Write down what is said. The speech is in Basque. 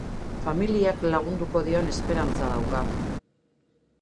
Familiak lagunduko dion esperantza dauka.